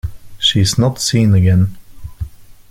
She is not seen again.